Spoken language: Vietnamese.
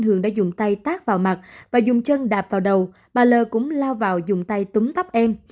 hường đã dùng tay tác vào máy và dùng chân đạp vào đầu bà l cũng lao vào dùng tay túng tóc em